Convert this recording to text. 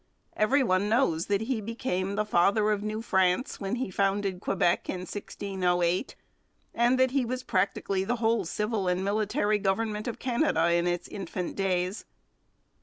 Every one knows that he became the 'Father of New France' when he founded Quebec in 1608; and that he was practically the whole civil and military government of Canada in its infant days.